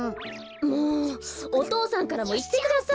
もうお父さんからもいってください！